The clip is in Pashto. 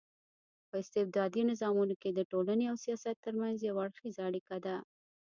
په استبدادي نظامونو کي د ټولني او سياست ترمنځ يو اړخېزه اړيکه ده